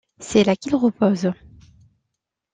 C'est là qu'il repose.